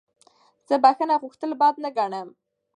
زه بخښنه غوښتل بد نه ګڼم.